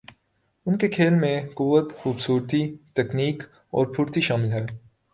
ان کے کھیل میں قوت، خوبصورتی ، تکنیک اور پھرتی شامل ہے۔